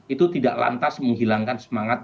itu tidak lantas menghilangkan semangat